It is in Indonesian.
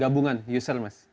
gabungan user mas